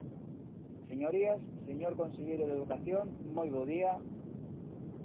Señorías, señor conselleiro de Educación, moi bo día.